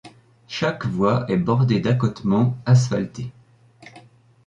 Chaque voie est bordée d'accotements asphaltés.